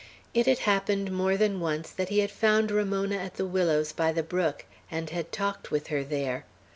It had happened more than once that he had found Ramona at the willows by the brook, and had talked with her there.